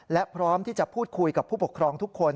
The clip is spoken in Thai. และพร้อมที่จะพูดคุยกับผู้ปกครองทุกคน